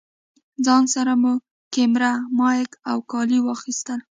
ځان سره مو کېمره، مايک او کالي واخيستل.